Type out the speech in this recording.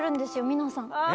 皆さん。